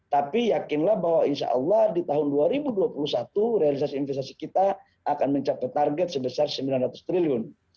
tapi yakinlah bahwa insya allah di tahun dua ribu dua puluh satu realisasi investasi kita akan mencapai target sebesar sembilan ratus triliun